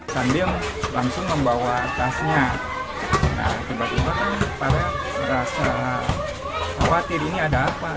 sambil langsung membawa tasnya nah tiba tiba kan para merasa khawatir ini ada apa